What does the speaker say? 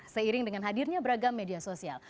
seiring dengan hadirnya beragam media sosial